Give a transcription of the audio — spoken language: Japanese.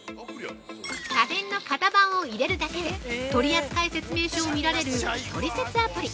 ◆家電の型番を入れるだけで、取扱説明書を見られる「トリセツ」アプリ。